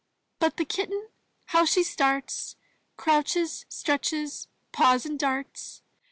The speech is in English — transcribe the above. ••• But the Kitten, how she starts, Crouches, stretches, paws, and darts!